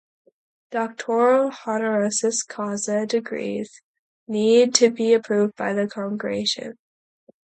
Doctoral honoris causa degrees need to be approved by the Congregation.